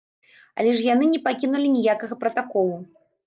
Але ж яны не пакінулі ніякага пратакола.